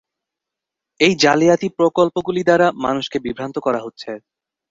এই জালিয়াতি প্রকল্পগুলি দ্বারা মানুষকে বিভ্রান্ত করা হচ্ছে।